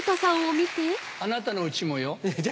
あなたのうちもよ。